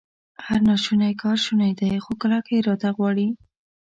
هر ناشونی کار شونی دی، خو کلکه اراده غواړي